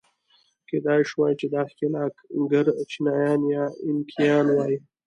کېدای شوای چې دا ښکېلاکګر چینایان یا اینکایان وای.